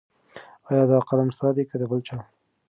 ایا دا قلم ستا دی که د بل چا؟